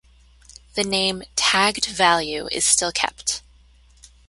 The name "tagged value" is still kept.